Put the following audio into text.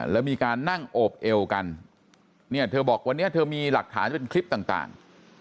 แล้วมีการนั่งโอบเอวกันเนี่ยเธอบอกวันนี้เธอมีหลักฐานเป็นคลิปต่าง